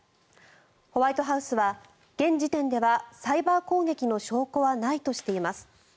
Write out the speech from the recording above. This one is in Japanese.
ホワイトハウスは、現時点ではサイバー攻撃の証拠はないとしています。